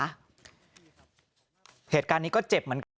เหตุการณ์นี้ก็เจ็บเหมือนกัน